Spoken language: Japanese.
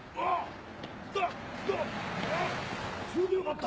あっ！